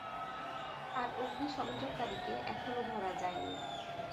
আর অগ্নিসংযোগকারীকে এখনো ধরা যায়নি।